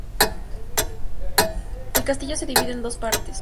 El castillo se divide en dos partes.